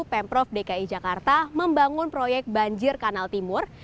pemprov dki jakarta membangun proyek banjir kanal timur